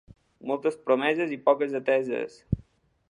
Moltes promeses i poques ateses.